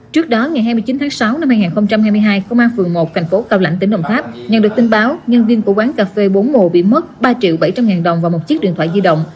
trước đó ngày hai mươi chín tháng sáu năm hai nghìn hai mươi hai công an phường một thành phố cao lãnh tỉnh đồng tháp nhận được tin báo nhân viên của quán cà phê bốn mùa bị mất ba triệu bảy trăm linh ngàn đồng và một chiếc điện thoại di động